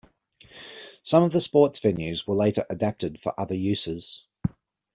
Some of the sports venues were later adapted for other uses.